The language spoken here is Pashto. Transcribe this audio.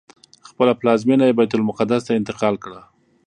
خپله پلازمینه یې بیت المقدس ته انتقال کړه.